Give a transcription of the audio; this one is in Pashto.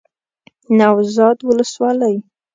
نوزاد ولسوالۍ